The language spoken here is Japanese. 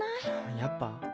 やっぱ？